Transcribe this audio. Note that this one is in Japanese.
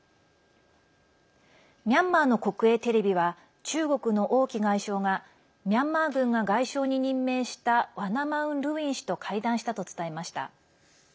ミャンマーの国営テレビは中国の王毅外相がミャンマー軍が外相に任命したワナ・マウン・ルウィン氏と会談したと伝えました。